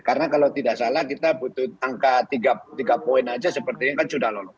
karena kalau tidak salah kita butuh angka tiga poin aja seperti ini kan sudah lolos